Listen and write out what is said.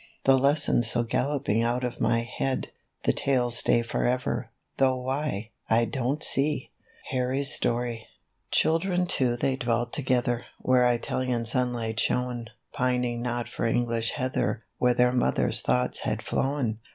The lessons go galloping out of my head, — The tales stay forever, though why, I don't see !" A RUN ON THE BEACH. 27 harry's story. Children two they dwelt together, Where Italian sunlight shone. Pining not for English heather, Where their Mother's thoughts had flown.